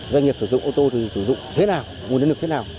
doanh nghiệp sử dụng ô tô thì sử dụng thế nào nguồn nhân lực thế nào